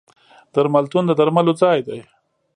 درملتون د درملو ځای دی.